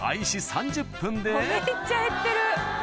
めっちゃ減ってる！